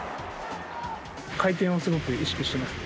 回転をすごく意識してますね。